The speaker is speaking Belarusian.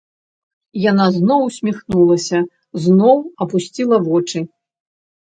Яна зноў усміхнулася, зноў апусціла вочы.